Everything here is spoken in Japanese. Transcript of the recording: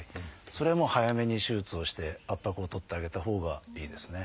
それはもう早めに手術をして圧迫を取ってあげたほうがいいですね。